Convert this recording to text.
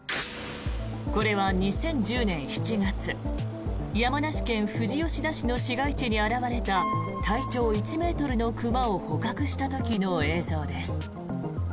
これは２０１０年７月山梨県富士吉田市の市街地に現れた体長１ｍの熊を捕獲した時の映像です。